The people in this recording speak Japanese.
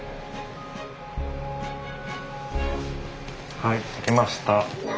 はい出来ました。